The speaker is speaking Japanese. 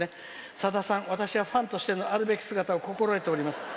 さださん、私はファンとしてのあるべき姿を心得て下ります。